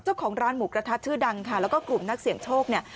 เจ้าของร้านหมูกระทัดชื่อดังค่ะแล้วก็กลุ่มนักเสี่ยงโชคเนี่ย